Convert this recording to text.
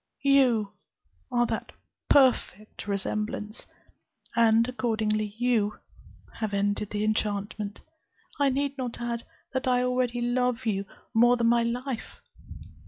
You are that perfect resemblance; and, accordingly, you have ended the enchantment. I need not add, that I already love you more than my life.